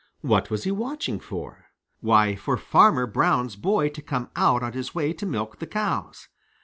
What was he watching for? Why, for Farmer Brown's boy to come out on his way to milk the cows.